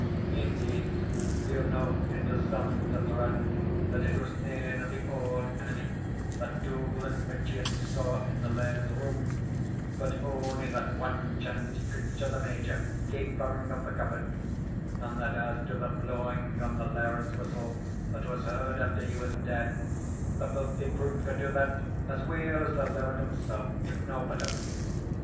Indeed, ye 'll no hinder some to thread that it was nane o' the auld Enemy that Dougal and Hutcheon saw in the laird's room, but only that wanchancie creature the major, capering on the coffin; and that, as to the blawing on the laird's whistle that was heard after he was dead, the filthy brute could do that as weel as the laird himsell, if no better.